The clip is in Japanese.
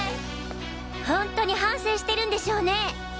本当に反省してるんでしょうね！？